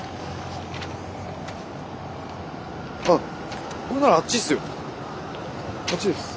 あっこれならあっちっすよ。